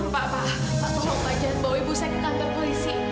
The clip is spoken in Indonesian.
pak pak tolong pak jangan bawa ibu saya ke kantor polisi